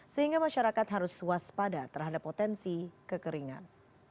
sehingga masyarakat harus waspada terhadap potensi kekeringan